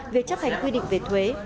việc chấp hành quy định về thuế